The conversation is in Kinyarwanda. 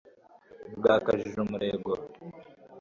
bwakajije umurego